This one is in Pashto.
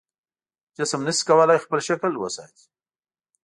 جسم نشي کولی خپل شکل وساتي.